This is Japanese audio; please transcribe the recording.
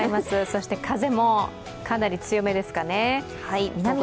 そして風もかなり強めですかね。